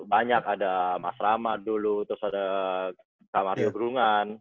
banyak ada mas rama dulu terus ada kamar rebrungan